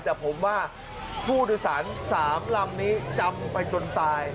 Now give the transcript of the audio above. แต่ผมว่าผู้โดยสาร๓ลำนี้จำไปจนตาย